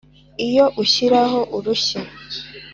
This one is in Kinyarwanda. Iyo ushyiraho urushyi